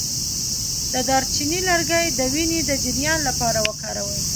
د دارچینی لرګی د وینې د جریان لپاره وکاروئ